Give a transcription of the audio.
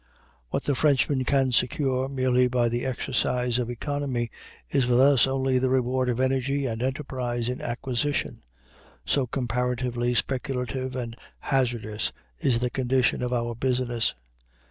What the Frenchman can secure merely by the exercise of economy is with us only the reward of energy and enterprise in acquisition so comparatively speculative and hazardous is the condition of our business.